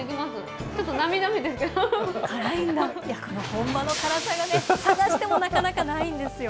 本場の辛さが、探してもなかなかないんですよ。